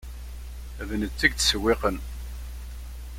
D netta i yettsewwiqen.